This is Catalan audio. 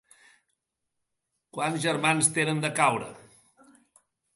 Quants germans tenen de caure.